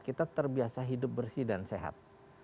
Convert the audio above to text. kita terbiasa hidup bersih dan sehat